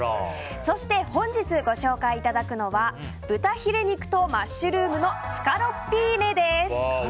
そして、本日ご紹介いただくのは豚ヒレ肉とマッシュルームのスカロッピーネです。